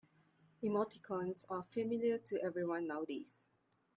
Emoticons are familiar to everyone nowadays.